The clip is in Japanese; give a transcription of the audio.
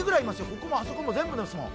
ここもあそこも全部ですもん。